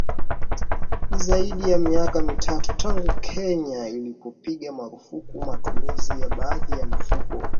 Ni zaidi ya miaka mitatu tangu Kenya ilipopiga marufuku matumizi ya baadhi ya mifuko